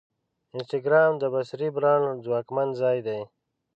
انسټاګرام د بصري برانډ ځواکمن ځای دی.